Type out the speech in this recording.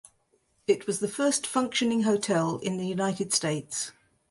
It was the first functioning hotel in the United States.